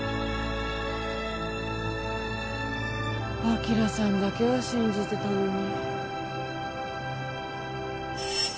晶さんだけは信じてたのに。